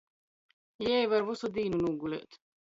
Jei var vysu dīnu nūgulēt.